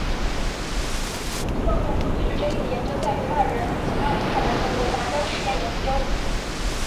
伊万诺夫最具争议的研究在于他的人与其他灵长类动物的杂交试验研究。